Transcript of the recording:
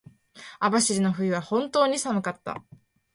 網走の冬は本当に寒かった。